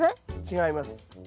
違います。